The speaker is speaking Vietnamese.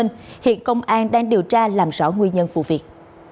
hiện công an đang điều tra làm rõ nguyên nhân vụ việc